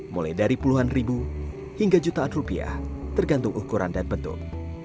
mulai dari puluhan ribu hingga jutaan rupiah tergantung ukuran dan bentuk